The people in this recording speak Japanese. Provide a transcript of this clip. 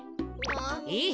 えっ？